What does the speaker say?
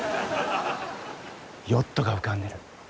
ヨットが浮かんでる。